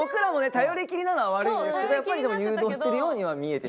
頼りきりなのは悪いんですけどやっぱりでも誘導してるようには見えてしまう。